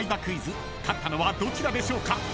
クイズ勝ったのはどちらでしょうか？］